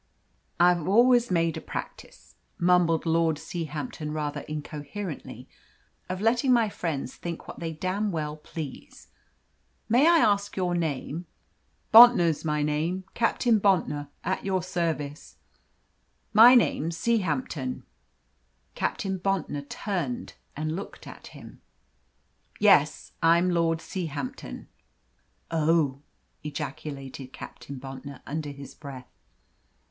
"I've always made a practice," mumbled Lord Seahampton, rather incoherently, "of letting my friends think what they damned well please. May I ask your name?" "Bontnor's my name. Captain Bontnor, at your service." "My name's Seahampton." Captain Bontnor turned and looked at him. "Yes, I'm Lord Seahampton." "Oh!" ejaculated Captain Bontnor, under his breath.